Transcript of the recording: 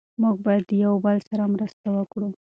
موږ باید د یو بل سره مرسته وکړو.